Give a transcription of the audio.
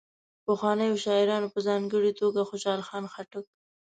پخوانیو شاعرانو په ځانګړي توګه خوشال خان خټک.